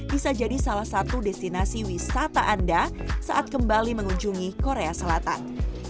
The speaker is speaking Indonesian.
bisa jadi salah satu destinasi wisata anda saat kembali mengunjungi korea selatan